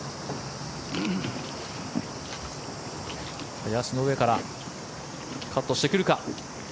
林の上からカットしてくるか。